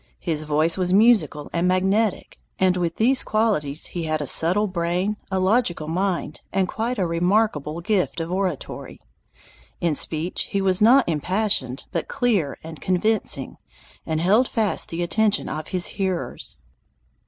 His voice was musical and magnetic, and with these qualities he had a subtle brain, a logical mind, and quite a remarkable gift of oratory. In speech he was not impassioned, but clear and convincing, and held fast the attention of his hearers."